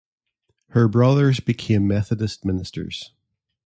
Her brothers became Methodist ministers.